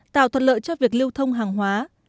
tạo thuật lợi cho việc lưu thông hàng hóa